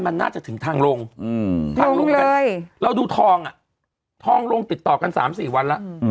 แล้วดูทองทองลงติดต่อกัน๓๔วันละ